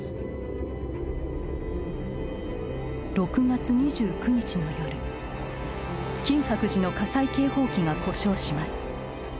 ６月２９日の夜金閣寺の火災警報器が故障します